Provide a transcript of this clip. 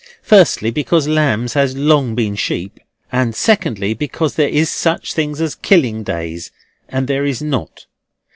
Firstly, because lambs has long been sheep, and secondly, because there is such things as killing days, and there is not.